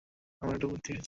আমার একটা বুদ্ধি এসেছে।